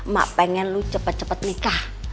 mak pengen lu cepet cepet nikah